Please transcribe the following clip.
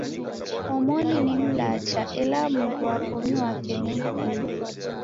Omoni ni mlacha ela mundu wa w'omi w'ake ni mvui.